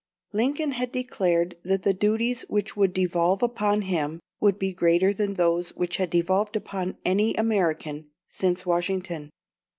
Lincoln had declared that the duties which would devolve upon him would be greater than those which had devolved upon any American since Washington.